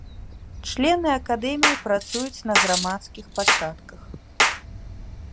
Члены акадэміі працуюць на грамадскіх пачатках.